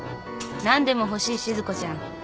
何でも欲しいしず子ちゃん。